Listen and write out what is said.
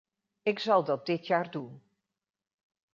Ik zal dat dit jaar doen.